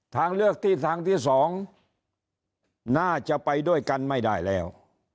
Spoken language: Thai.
ทางเลือกที่ทางที่๒น่าจะไปด้วยกันไม่ได้แล้ว